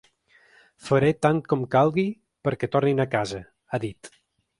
Faré tant com calgui perquè tornin a casa, ha dit.